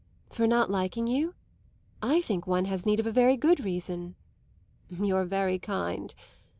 "For not liking you? I think one has need of a very good reason." "You're very kind.